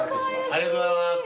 ありがとうございます。